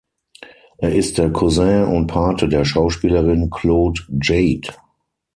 Er ist der Cousin und Pate der Schauspielerin Claude Jade.